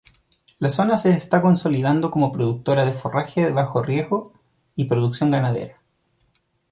La zona se está consolidando como productora de forraje bajo riego y producción ganadera.